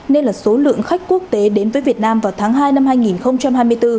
nên là số lượng khách quốc tế đến với việt nam vào tháng hai năm hai nghìn hai mươi bốn